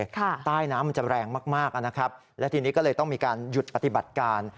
ใต้น้ำมันจะแรงมากมากนะครับและทีนี้ก็เลยต้องมีการหยุดปฏิบัติการ